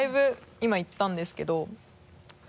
今いったんですけど。